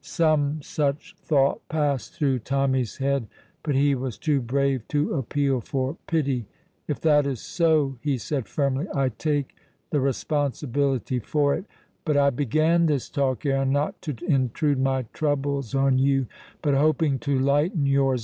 Some such thought passed through Tommy's head, but he was too brave to appeal for pity. "If that is so," he said firmly, "I take the responsibility for it. But I began this talk, Aaron, not to intrude my troubles on you, but hoping to lighten yours.